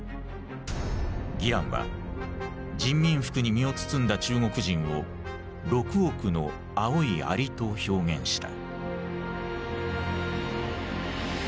ギランは人民服に身を包んだ中国人を「六億の青い蟻」と表現した。